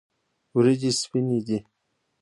وریجې سپینې دي.